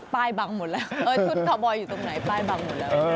บังหมดแล้วชุดทอบอยอยู่ตรงไหนป้ายบังหมดแล้ว